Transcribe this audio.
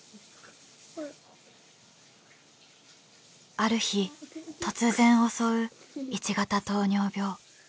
ある日突然襲う１型糖尿病。